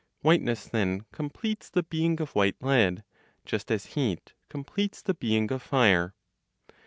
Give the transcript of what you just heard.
Whiteness then completes the being of white lead, just as heat completes the being of fire.